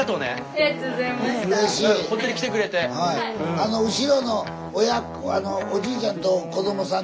あの後ろのおじいちゃんと子どもさん